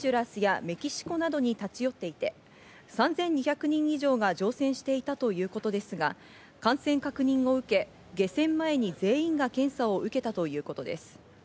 先月２８日にニューオーリンズを出港し、ホンジュラスやメキシコなどに立ち寄っていて、３２００人以上が乗船していたということですが、感染確認を受け、下船前に全員が検査を受けたということです。